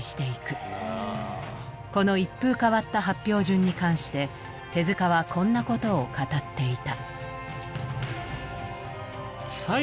この一風変わった発表順に関して手はこんなことを語っていた。